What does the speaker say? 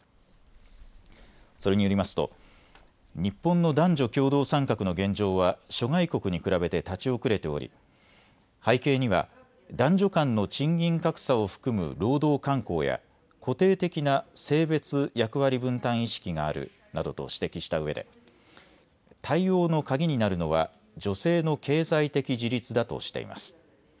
それによりますと日本の男女共同参画の現状は諸外国に比べて立ち遅れており背景には男女間の賃金格差を含む労働慣行や固定的な性別役割分担意識があるなどと指摘したうえで対応の鍵になるのは女性の経済的自立だとしています。